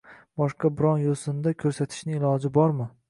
Boshqa biron yo’sinda ko’rsatishning iloji bormi?